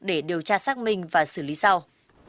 để điều tra xác minh và xử lý sau